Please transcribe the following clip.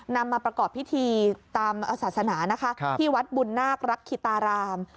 นำมาประกอบพิธีตามศาสนานะคะที่วัดบุญนาครักคิตาราม